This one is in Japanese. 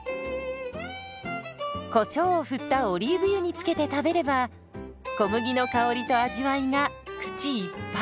こしょうを振ったオリーブ油につけて食べれば小麦の香りと味わいが口いっぱい！